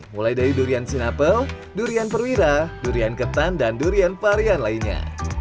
mulai dari durian sinapel durian perwira durian ketan dan durian varian lainnya